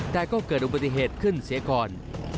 แต่ก็เกิดอุบัติเหตุขึ้นเสียก่อน